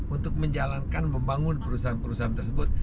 untuk menjalankan membangun perusahaan perusahaan tersebut